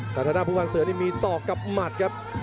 แต่ธนาภูมิผู้พันธ์เสือนี่มีศอกกับมัดครับ